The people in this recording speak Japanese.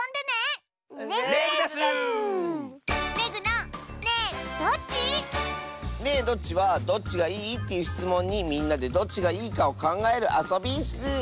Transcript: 「ねえどっち？」は「どっちがいい？」っていうしつもんにみんなでどっちがいいかをかんがえるあそびッス！